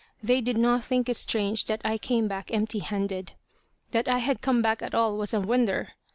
They did not think it strange that I came back empty handed. That I had come back at all was a wonder.